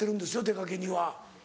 出がけには。